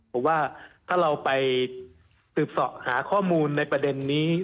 ผมว่าถ้าเราไปสืบสอบหาข้อมูลในประเด็นนี้